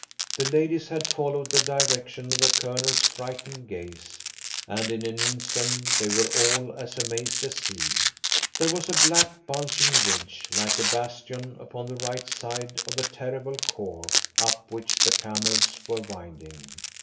The ladies had followed the direction of the Colonel's frightened gaze, and in an instant they were all as amazed as he. There was a black, bulging ridge like a bastion upon the right side of the terrible khor up which the camels were winding.